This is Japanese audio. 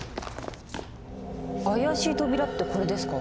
あやしい扉ってこれですか？